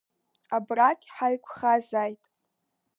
Абраагь ҳаиқәхазааит!